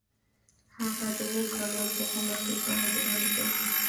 هغه د اوو کالو په عمر کې شواهد وړاندې کړل